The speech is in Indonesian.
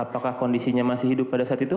apakah kondisinya masih hidup pada saat itu